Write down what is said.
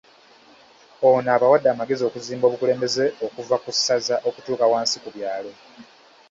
Ono abawadde amagezi okuzimba obukulembeze okuva ku ssaza okutuuka wansi ku byalo